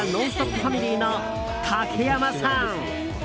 ファミリーの竹山さん！